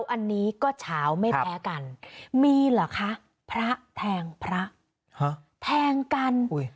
อันนี้ก็ชาวไม่แพ้กันมีหรือคะพระแทงพระฮะแทงกันอุ้ย